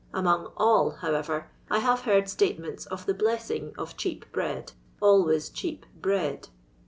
Among aif, however, I have heard statements of the blessing of cheap bread ; always cheap bread.